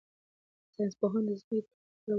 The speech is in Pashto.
ساینس پوهانو د ځمکې د تاریخ په اړه وویل.